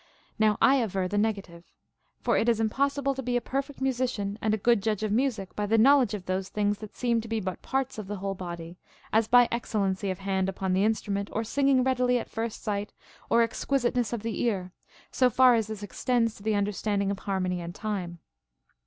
Now I aver the negative. For it is impossible to be a perfect musician and a good judge of music by the knowledge of those things that seem to be but parts of the whole body, as by excellency of hand upon the instrument, or singing readily at first sight, or exquisiteness of the ear, so far as this extends to the understanding of harmony and time.